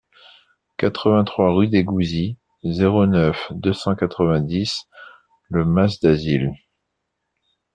quatre-vingt-trois rue des Gouzis, zéro neuf, deux cent quatre-vingt-dix Le Mas-d'Azil